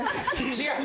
違う。